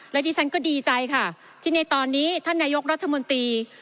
และที่ฉันก็ดีใจค่ะที่ในตอนนี้ท่านนายกรัฐมนตรี